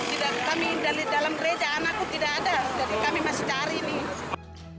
tidak kami dari dalam gereja anakku tidak ada jadi kami masih cari nih